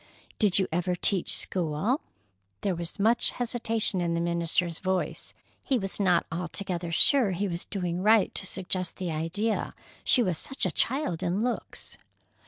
"Did you ever teach school?" There was much hesitation in the minister's voice. He was not altogether sure he was doing right to suggest the idea, she was such a child in looks.